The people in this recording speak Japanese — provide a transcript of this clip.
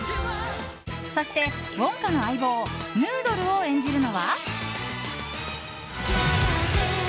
そしてウォンカの相棒ヌードルを演じるのは。